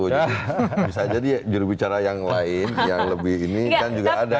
bisa jadi jurubicara yang lain yang lebih ini kan juga ada